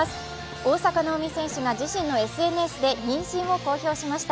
大坂なおみ選手が自身のＳＮＳで妊娠を公表しました。